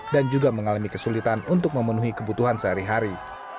dan juga mengalami kesulitan untuk memenuhi kebutuhan sehari hari